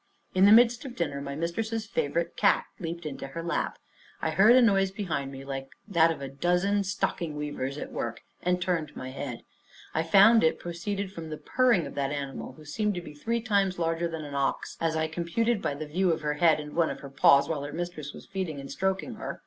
In the midst of dinner, my mistress's favorite cat leaped into her lap, I heard a noise behind me like that of a dozen stocking weavers at work; and turning my head, I found it proceeded from the purring of that animal, who seemed to be three times larger than an ox, as I computed by the view of her head, and one of her paws, while her mistress was feeding and stroking her.